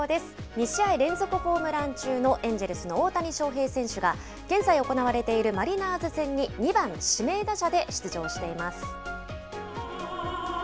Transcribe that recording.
２試合連続ホームラン中のエンジェルスの大谷翔平選手が、現在行われているマリナーズ戦に、２番指名打者で出場しています。